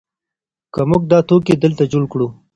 که موږ دا توکي دلته جوړ کړو.